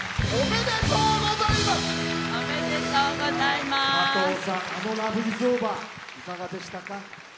いかがでしたか？